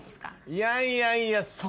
いやいやいや。